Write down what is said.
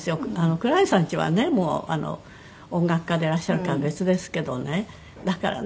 黒柳さんちはねもう音楽家でいらっしゃるから別ですけどねだからね